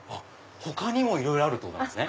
他にもいろいろあるんですね！